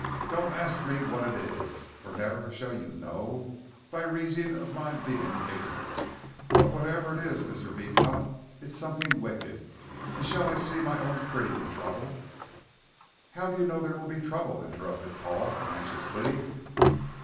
Don't ask me what it is, fur never shall you know, by reason of my being ignorant. But whatever it is, Mr. Beecot, it's something wicked, and shall I see my own pretty in trouble?" "How do you know there will be trouble?" interrupted Paul, anxiously.